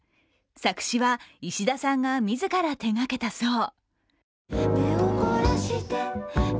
作詞は石田さんが自ら手がけたそう。